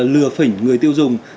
lừa phỉnh người tiêu dùng